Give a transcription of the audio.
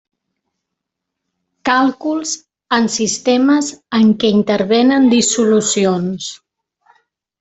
Càlculs en sistemes en què intervenen dissolucions.